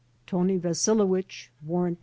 Tony Vasilewich (Warrant No.